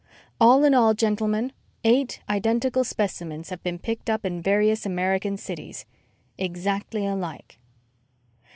_ _All in all, gentlemen, eight identical specimens have been picked up in various American cities ... Exactly alike....